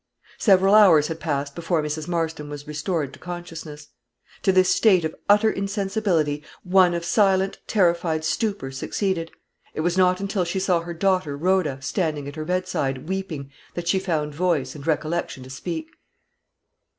Several hours had passed before Mrs. Marston was restored to consciousness. To this state of utter insensibility, one of silent, terrified stupor succeeded; and it was not until she saw her daughter Rhoda standing at her bedside, weeping, that she found voice and recollection to speak.